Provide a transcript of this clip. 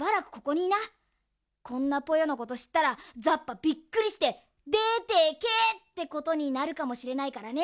こんなポヨのことしったらザッパびっくりしてでてけってことになるかもしれないからね。